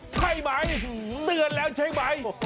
ใช่ไหมเตือนแล้วใช่ไหม